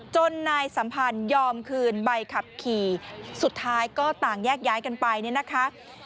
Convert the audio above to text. นายสัมพันธ์ยอมคืนใบขับขี่สุดท้ายก็ต่างแยกย้ายกันไปเนี่ยนะคะ